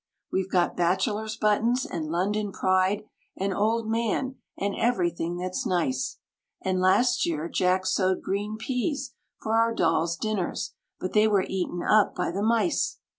We've got Bachelor's Buttons, and London Pride, and Old Man, and everything that's nice: And last year Jack sowed green peas for our dolls' dinners, but they were eaten up by the mice.